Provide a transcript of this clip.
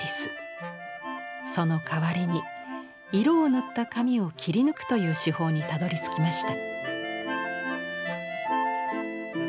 そのかわりに色を塗った紙を切り抜くという手法にたどりつきました。